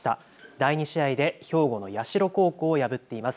第２試合で兵庫の社高校を破っています。